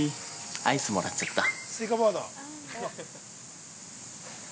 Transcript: アイスもらっちゃった。